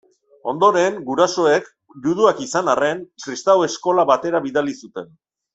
Ondoren gurasoek, juduak izan arren, kristau eskola batera bidali zuten.